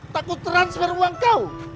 takut transfer uang kau